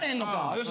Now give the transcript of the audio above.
よし。